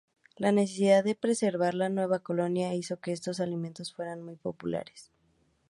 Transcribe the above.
La necesidad de preservar la nueva colonia hizo que estos alimentos fueran muy populares.